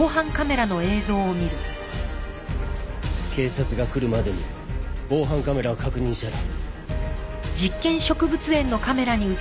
警察が来るまでに防犯カメラを確認したら。